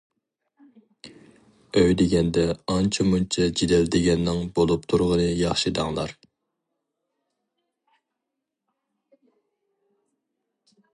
ئۆي دېگەندە ئانچە-مۇنچە جېدەل دېگەننىڭ بولۇپ تۇرغىنى ياخشى دەڭلار.